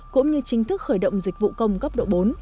cũng như chính thức khởi động dịch vụ công cấp độ bốn